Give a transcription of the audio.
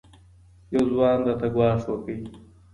یوه ځوان راته ګواښ وکړ